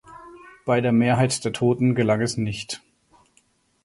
Bei der Mehrheit der Toten gelang es nicht.